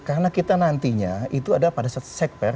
karena kita nantinya itu ada pada sek per